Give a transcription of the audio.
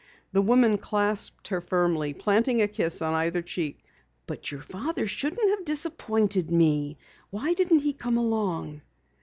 The woman clasped her firmly, planting a kiss on either cheek. "But your father shouldn't have disappointed me. Why didn't he come along?"